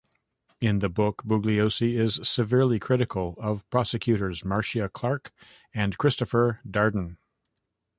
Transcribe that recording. In the book, Bugliosi is severely critical of prosecutors Marcia Clark and Christopher Darden.